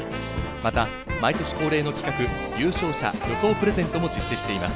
また毎年恒例の企画、優勝者予想プレゼントも実施しています。